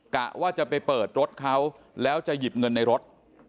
กะว่าจะไปเปิดรถเขาแล้วจะหยิบเงินในรถ